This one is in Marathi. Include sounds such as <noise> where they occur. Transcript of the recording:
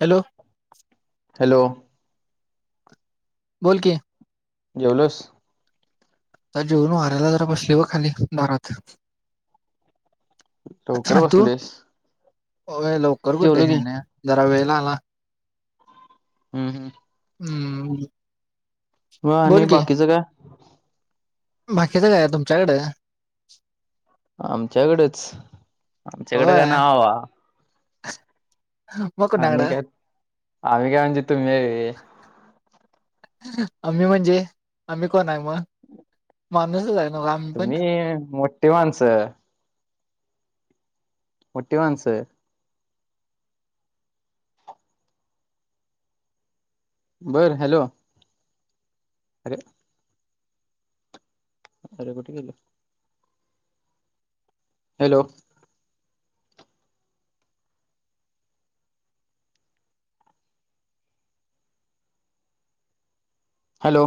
हॅलो हॅलो बोल कि जेवलस आता जेवून वाऱ्यायला जरा बसलो बघ खाली दारात लवकर बसलीस हो लवकर कुठे हे न जरा वेळ आला हम्म हम्म हम्म होयआणि बोल की बाकीचं काय? बाकीचं काय तुमच्याकडें? आमच्याकडेच आमच्याकडे काय ना बाबा हा आम्ही काय आम्ही काय म्हणजे तुम्ही आम्ही म्हणजे आम्ही कोण आहे मग माणूसच आहे. ना आम्ही पण तुम्ही मोठी माणसं. मोठी माणसं बरं हॅलो अरे <unintelligible> अरे कुठं गेलं? Hello hello